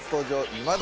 今田！